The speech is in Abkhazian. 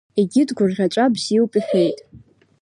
Егьи дгәырӷьаҵәа бзиоуп иҳәит.